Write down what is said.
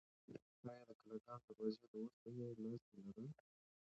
ایا د کلاګانو دروازې د اوسپنې لاستي لرل؟